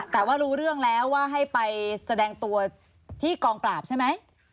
แต่ว่ารู้เรื่องแล้วว่าให้ไปแสดงตัวที่กองปราบใช่ไหม